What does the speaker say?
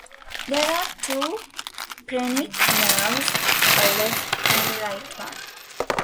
There are two phrenic nerves, a left and a right one.